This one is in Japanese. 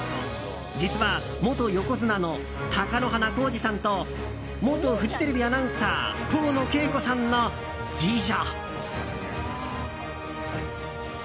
実は、元横綱の貴乃花光司さんと元フジテレビアナウンサー河野景子さんの次女。